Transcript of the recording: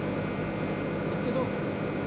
行ってどうする？